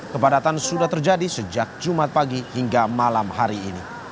kepadatan sudah terjadi sejak jumat pagi hingga malam hari ini